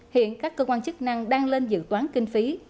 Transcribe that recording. hiện các cơ quan chức năng đang lên dự toán kinh phí